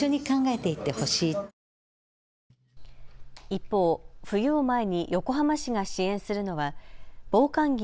一方、冬を前に横浜市が支援するのは防寒着